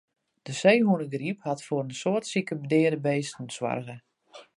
De seehûnegryp hat foar in soad sike en deade bisten soarge.